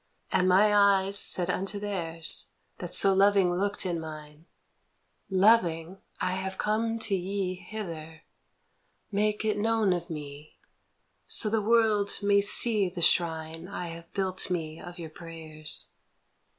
" And my eyes said unto theirs That so loving looked in mine :' Loving, I have come to ye Hither ; make it known of me, So the world may see the shrine I have built me of your prayers